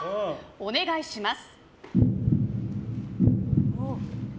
お願いします。